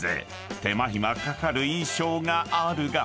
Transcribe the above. ［手間暇かかる印象があるが］